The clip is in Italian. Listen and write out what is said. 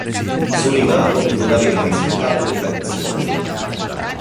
Solimano non aveva rispettato le tradizioni.